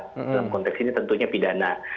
dalam konteks ini tentunya pidana